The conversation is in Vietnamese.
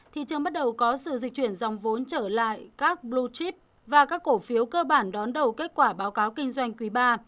thị trường bắt đầu có sự dịch chuyển dòng vốn trở lại các blue chip và các cổ phiếu cơ bản đón đầu kết quả báo cáo kinh doanh quý ba